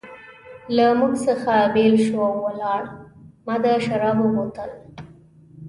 له موږ څخه بېل شو او ولاړ، ما د شرابو بوتل.